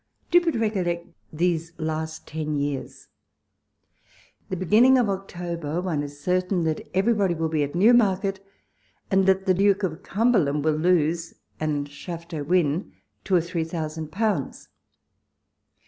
Do but recollect these last ten years. The be ginning of October, one is certain that every body will be at Newmarket, and the Duke of Cumberland will lose, and Shafto win, two or three thousand pounds.